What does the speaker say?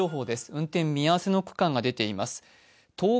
運転見合わせの区間が出ています。